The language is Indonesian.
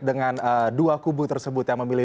dengan dua kubu tersebut yang memilih